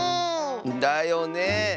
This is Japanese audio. だよね。